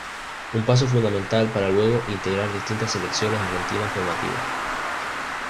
Un paso fundamental para luego integrar distintas selecciones argentinas formativas.